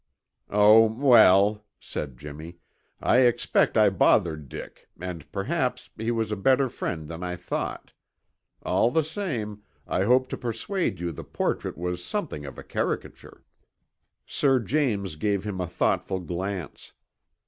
"Oh, well," said Jimmy, "I expect I bothered Dick and perhaps he was a better friend than I thought. All the same, I hope to persuade you the portrait was something of a caricature." Sir James gave him a thoughtful glance.